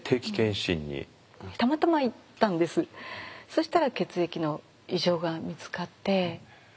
そしたら血液の異常が見つかって。